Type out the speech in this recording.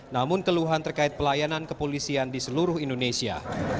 namun keluhan terkait pelayanan kepolisian di seluruh indonesia